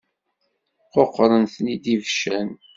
Quqṛen-ten-id ibeccan.